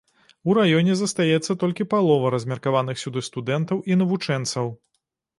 У раёне застаецца толькі палова размеркаваных сюды студэнтаў і навучэнцаў.